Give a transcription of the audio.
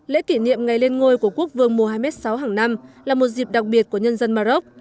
lễ kỷ niệm ngày lên ngôi của quốc vương mohammed sáu hàng năm là một dịp đặc biệt của nhân dân maroc